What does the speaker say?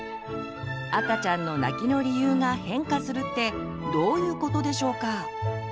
赤ちゃんの泣きの理由が変化するってどういうことでしょうか？